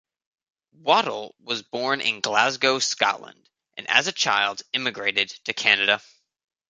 Waddell was born in Glasgow, Scotland, and as a child immigrated to Canada.